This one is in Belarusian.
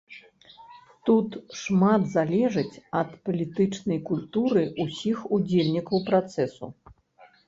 Тут шмат залежыць ад палітычнай культуры ўсіх удзельнікаў працэсу.